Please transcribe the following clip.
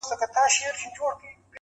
د وینو په دریاب کي یو د بل وینو ته تږي.!